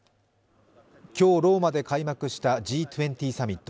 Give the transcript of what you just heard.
今日ローマで開幕したＧ２０サミット。